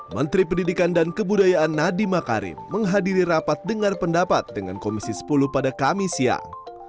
menteri pendidikan dan kebudayaan nadiem makarim menghadiri rapat dengar pendapat dengan komisi sepuluh pada kamis siang